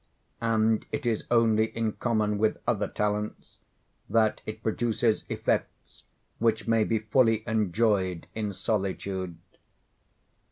And it is only in common with other talents that it produces effects which may be fully enjoyed in solitude.